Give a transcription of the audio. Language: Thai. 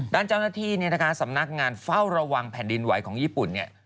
ด้านเจ้าหน้าที่เนี่ยนะคะสำนักงานเฝ้าระวังแผ่นดินไหวของญี่ปุ่นเนี่ย